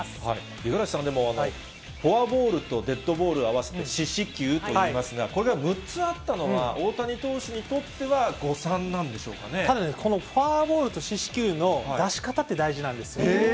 五十嵐さん、フォアボールとデッドボール合わせて四死球といいますが、これが６つあったのは、大谷投手にとっては、ただね、このフォアボールと四死球の出し方って大事なんですよ。